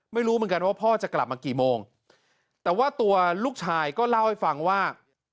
ไม่รู้เหมือนกันว่าพ่อจะกลับมากี่โมงแต่ว่าตัวลูกชายก็เล่าให้ฟังว่า